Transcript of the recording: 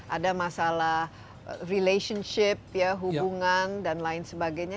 ada masalah relationship hubungan dan lain sebagainya